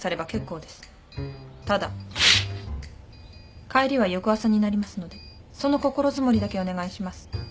ただ帰りは翌朝になりますのでその心積もりだけお願いします。